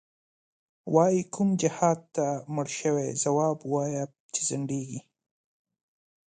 وایې کوم جهادته مړ شوی، ځواب وایه چی ځندیږی